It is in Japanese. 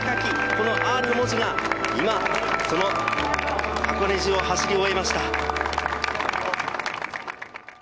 この「Ｒ」の文字が今その箱根路を走り終えました。